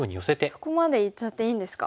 あっそこまでいっちゃっていいんですか。